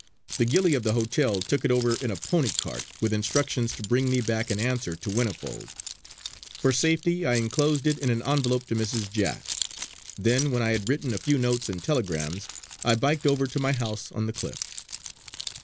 The gillie of the hotel took it over in a pony cart, with instructions to bring me back an answer to Whinnyfold. For safety I enclosed it in an envelope to Mrs. Jack. Then, when I had written a few notes and telegrams, I biked over to my house on the cliff.